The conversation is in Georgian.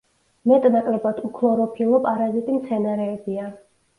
მეტ-ნაკლებად უქლოროფილო პარაზიტი მცენარეებია.